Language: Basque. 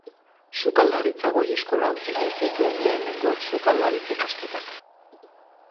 Sukaldaritza Goi Eskolan egin zituen lehenengo Sukaldaritza ikasketak.